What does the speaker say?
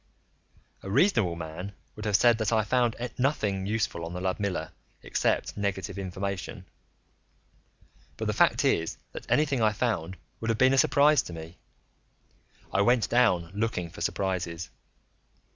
A reasonable man would have said that I found nothing useful on the Ludmilla, except negative information. But the fact is that anything I found would have been a surprise to me; I went down looking for surprises.